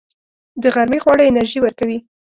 د غرمې خواړه انرژي ورکوي